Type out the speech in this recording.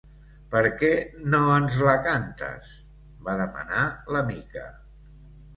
Per què no ens la cantes? —va demanar la Mica.